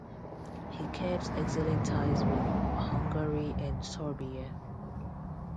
He kept excellent ties with Hungary and Serbia.